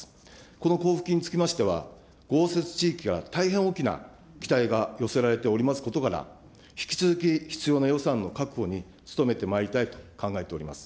この交付金につきましては、豪雪地域は、大変大きな期待が寄せられておりますことから、引き続き必要な予算の確保に努めてまいりたいと考えております。